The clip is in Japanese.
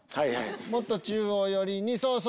もっと中央寄りにそうそう！